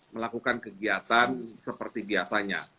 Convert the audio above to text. melakukan kegiatan seperti biasanya